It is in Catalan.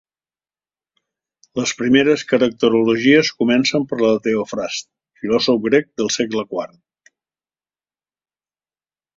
Les primeres caracterologies comencen per la de Teofrast, filòsof grec del segle quart.